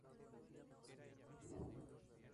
Dos años más tarde dirigió su secuela: "The Second Raid".